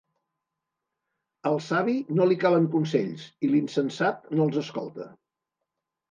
Al savi no li calen consells, i l'insensat no els escolta.